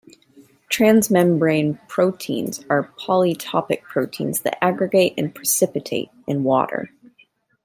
Transmembrane proteins are polytopic proteins that aggregate and precipitate in water.